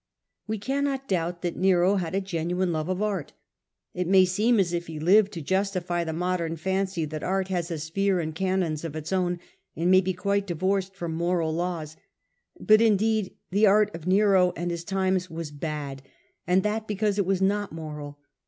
We cannot doubt that Nero had a genuine love of art. It may seem as if he lived to justify the modern fancy that art has a sphere and canons of its ^,,,. 1 ., r 1 Nero had a own, and may be quite divorced from moral real love of laws. But indeed the art of Nero and his times was bad, and that because it was not moral.